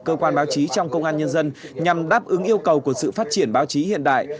cơ quan báo chí trong công an nhân dân nhằm đáp ứng yêu cầu của sự phát triển báo chí hiện đại